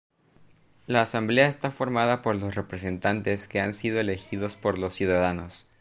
La Asamblea está formada por los representantes que han sido elegidos por los ciudadanos.